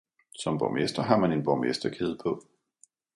Som borgmester har man en borgmesterkæde på.